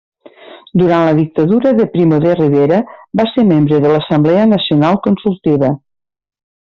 Durant la Dictadura de Primo de Rivera va ser membre de l'Assemblea Nacional Consultiva.